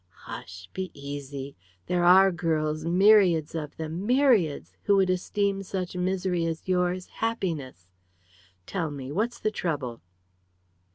"Hush! Be easy! There are girls myriads of them myriads who would esteem such misery as yours happiness. Tell me, what's the trouble?"